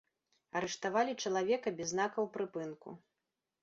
Арыштавалі чалавека без знакаў прыпынку.